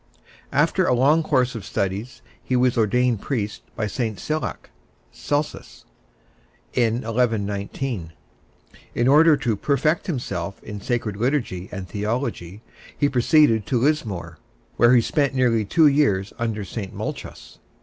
After a long course of studies he was ordained priest by St. Cellach (Celsus) in 1119. In order to perfect himself in sacred liturgy and theology, he proceeded to Lismore, where he spent nearly two years under St. Malchus.